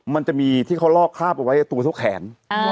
มันจะมีที่เขาลอกคราบเอาไว้ตัวเท่าแขน